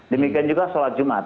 demikian juga sholat jumat